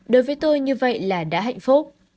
đối với tôi như vậy là đã hạnh phúc